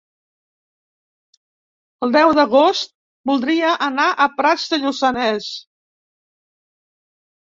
El deu d'agost voldria anar a Prats de Lluçanès.